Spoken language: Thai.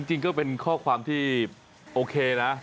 จริงก็เป็นข้อความที่โอเคนะ